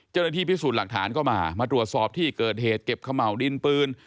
เจ้าหน้าที่พิสูจน์หลักฐานก็มามาตรวจสอบที่เกิดเหตุเก็บขม่าวดินปืน